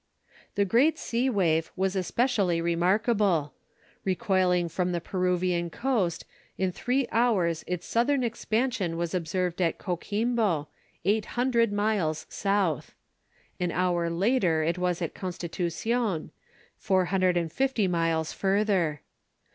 The great sea wave was especially remarkable. Recoiling from the Peruvian coast, in three hours its southern expansion was observed at Coquimbo, eight hundred miles south. An hour later it was at Constitucion, four hundred and fifty miles further.